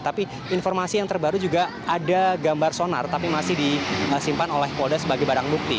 tapi informasi yang terbaru juga ada gambar sonar tapi masih disimpan oleh polda sebagai barang bukti